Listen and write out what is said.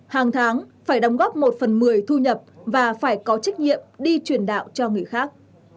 hàng tháng phải đóng góp một phần một mươi thu nhập và phải có trách nhiệm đi truyền đạo cho người khác